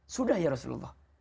sudah ya rasulullah